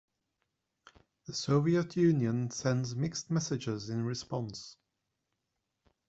The Soviet Union sends mixed messages in response.